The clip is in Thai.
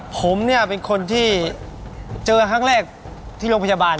ผมเนี่ยเป็นคนที่เจอครั้งแรกที่โรงพยาบาล